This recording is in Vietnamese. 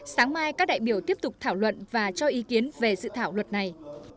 sáng mai các đại biểu tiếp tục thảo luận và cho ý kiến về dự thảo luật này